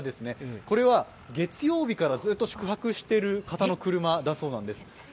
これは、月曜日からずっと宿泊してる方の車なんだそうです。